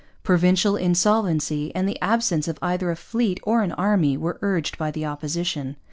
Provincial insolvency and the absence of either a fleet or an army were urged by the Opposition.